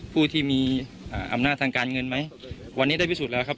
ผู้ที่มีอำนาจทางการเงินไหมวันนี้ได้พิสูจนแล้วครับ